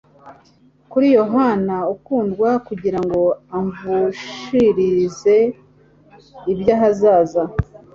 kuri Yohana ukundwa, kugira ngo amvhishurire iby'ahazaza,